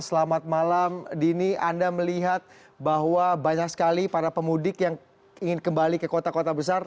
selamat malam dini anda melihat bahwa banyak sekali para pemudik yang ingin kembali ke kota kota besar